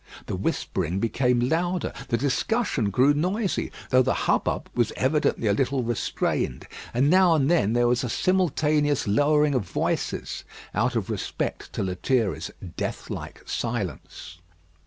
The whispering became louder. The discussion grew noisy, though the hubbub was evidently a little restrained; and now and then there was a simultaneous lowering of voices out of respect to Lethierry's death like silence.